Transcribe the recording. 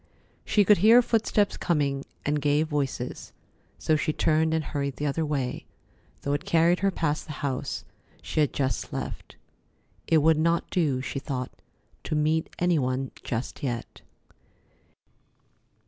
She could hear footsteps coming, and gay voices, so she turned and hurried the other way, though it carried her past the house she had just left. It would not do, she thought, to meet any one just yet.